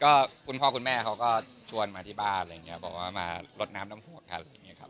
ก็คุณพ่อคุณแม่เขาก็ชวนมาที่บ้านบอกว่ามารดน้ำดำหัวกัน